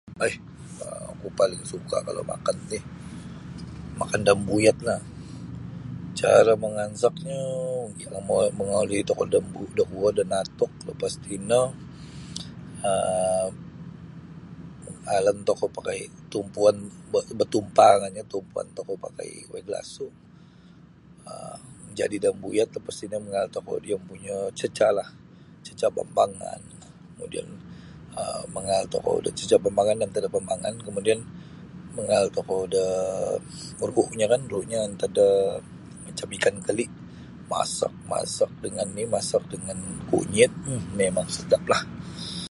Hai oku paling suka' kalau makan ti makan da ambuyatlah cara mangansaknyoo momoli tokou da da kuo da natuk lapas tino um alan tokou pakai tumpuon batumpah kanyu tumpuan tokou pakai waig lasu' um majadi da ambuyat lapas tino mangaal tokou da iyo ompunyo cecahlah cecah bambangan kemudian um mangaal cecah bambangan no antad da bambangan kemudian mangaal tokou da ruu'nyo kan ruu'nyo antad da macam ikan keli masak masak dengan masak dengan kunyit mimang sedaplah.